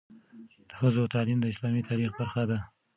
د ښځو تعلیم د اسلامي تاریخ برخه ده.